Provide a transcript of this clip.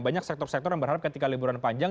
banyak sektor sektor yang berharap ketika liburan panjang